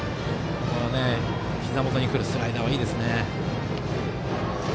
ひざ元へのスライダーいいですね。